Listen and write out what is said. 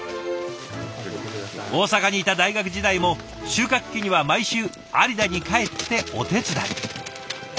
大阪にいた大学時代も収穫期には毎週有田に帰ってお手伝い。